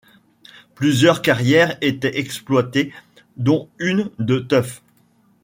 Plusieurs carrières étaient exploitées, dont une de tuf.